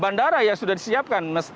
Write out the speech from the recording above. bandara yang sudah disiapkan